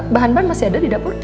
bahan bahan masih ada di dapur